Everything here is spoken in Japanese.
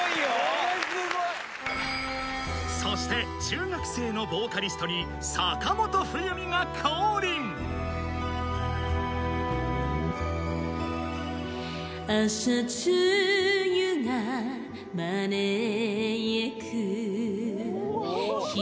これすごい！そして中学生のボーカリストに坂本冬美が降臨！お！すげぇ！